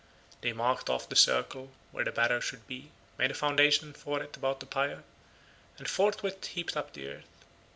They marked off the circle where the barrow should be, made a foundation for it about the pyre, and forthwith heaped up the earth.